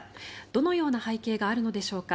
どのような背景があるのでしょうか。